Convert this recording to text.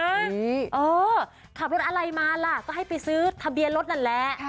เออขับรถอะไรมาล่ะก็ให้ไปซื้อทะเบียนรถนั่นแหละ